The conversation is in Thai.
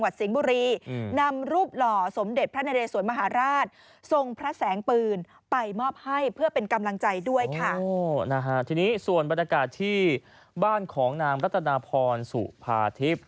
ทีนี้ส่วนบรรยากาศที่บ้านของนางรัตนาพรสุภาทิพย์